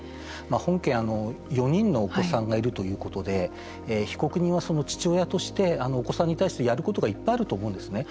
本件は、４人のお子さんがいるということで被告人はその父親としてお子さんに対してやることがいっぱいあると思うんですね。